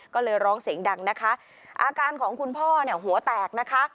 ก็เลยร้องเสียงดังนะคะอาการของคุณพ่อเนี่ยหัวแตกนะคะ